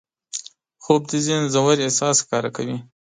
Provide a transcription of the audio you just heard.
خوب د ذهن ژور احساس ښکاره کوي